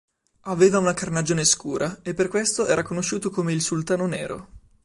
Aveva una carnagione scura, e per questo era conosciuto come il 'sultano nero'.